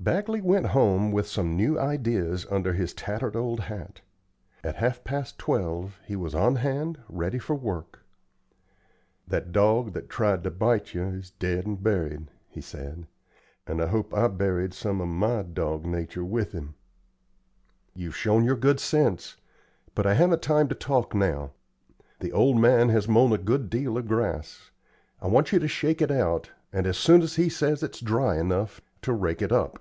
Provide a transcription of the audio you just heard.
Bagley went home with some new ideas under his tattered old hat. At half past twelve he was on hand, ready for work. "That dog that tried to bite ye is dead and buried," he said, "and I hope I buried some of my dog natur' with 'im." "You've shown your good sense. But I haven't time to talk now. The old man has mown a good deal of grass. I want you to shake it out, and, as soon as he says it's dry enough, to rake it up.